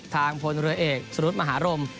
ทางพลเรือเอกสรุธมหารม